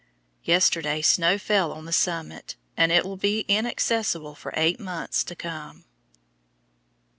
Yesterday snow fell on the summit, and it will be inaccessible for eight months to come.